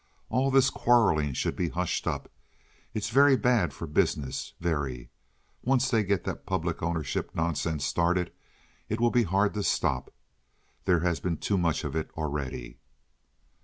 All this quarreling should be hushed up. It's very bad for business—very. Once they get that public ownership nonsense started, it will be hard to stop. There has been too much of it already."